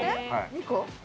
２個。